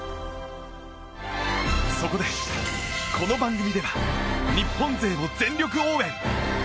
そこで、この番組では日本勢を全力応援！